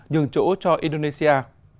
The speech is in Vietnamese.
dừng chỗ cho indonesia